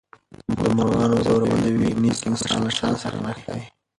د مرغانو ځورول د یو نېک انسان له شان سره نه ښایي.